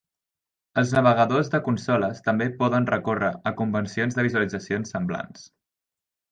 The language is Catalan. Els navegadors de consoles també poden recórrer a convencions de visualitzacions semblants.